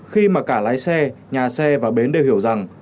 khi mà cả lái xe nhà xe và bến đều hiểu rằng